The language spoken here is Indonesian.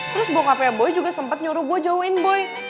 terus bokapnya boy juga sempet nyuruh gue jauhin boy